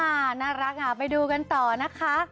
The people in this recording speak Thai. น่ารักอ่ะไปดูกันต่อนะคะ